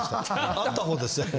あった方ですね。